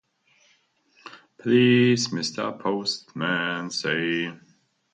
They included the first live broadcast of the Saint Louis City Council.